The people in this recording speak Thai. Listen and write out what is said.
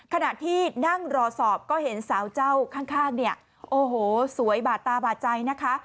ขณะที่นั่งรอสอบก็เห็นสาวเจ้าข้างสวยบาดตาบาดใจนะคะ